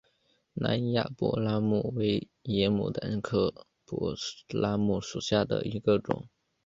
南亚柏拉木为野牡丹科柏拉木属下的一个种。